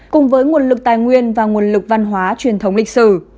cùng với nguồn lực tài nguyên và nguồn lực văn hóa truyền thống lịch sử